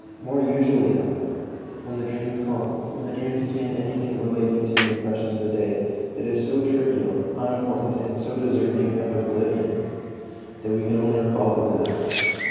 More usually, however, when the dream contains anything relating to the impressions of the day, it is so trivial, unimportant, and so deserving of oblivion, that we can only recall it with an effort.